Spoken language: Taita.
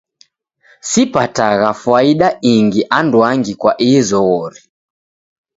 Sipatagha fwaida ingi anduangi kwa ihi zoghori.